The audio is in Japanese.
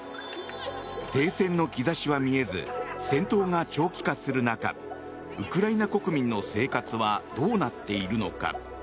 停戦の兆しは見えず戦闘が長期化する中ウクライナ国民の生活はどうなっているのか。